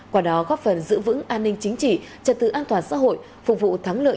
qua đó góp phần giữ vững an ninh chính trị trật tự an toàn xã hội phục vụ thắng lợi